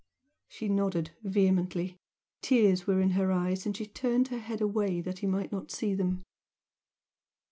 She nodded vehemently. Tears were in her eyes and she turned her head away that he might not see them.